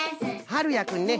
はるやくんね。